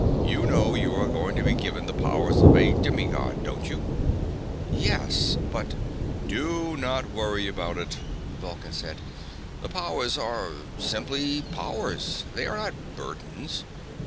You know you are going to be given the powers of a demi God, don't you?" "Yes. But " "Do not worry about it," Vulcan said. "The powers are simply powers. They are not burdens.